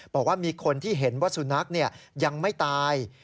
บอกว่ามีคนที่เห็นว่าสุนัขยังไม่ตาย